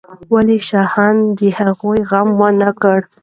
ولې شاهانو د هغې غم ونه کړ؟